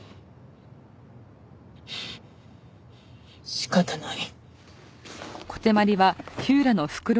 仕方ない。